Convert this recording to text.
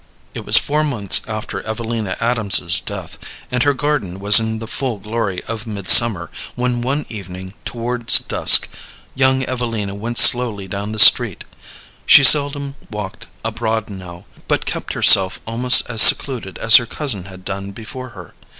It was four months after Evelina Adams's death, and her garden was in the full glory of midsummer, when one evening, towards dusk, young Evelina went slowly down the street. She seldom walked abroad now, but kept herself almost as secluded as her cousin had done before her.